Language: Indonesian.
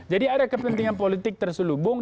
jadi ada kepentingan politik terselubung